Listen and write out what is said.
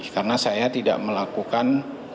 karena saya tidak melakukan